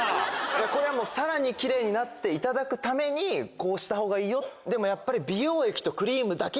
これはもうさらにキレイになっていただくためにこうしたほうがいいよでもやっぱり。